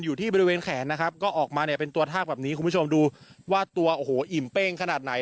อยู่ที่บริเวณแขนนะครับก็ออกมาเนี่ยเป็นตัวทากแบบนี้คุณผู้ชมดูว่าตัวโอ้โหอิ่มเป้งขนาดไหน